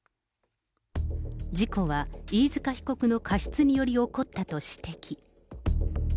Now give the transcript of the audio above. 事故は飯塚被告の過失により起こったと指摘。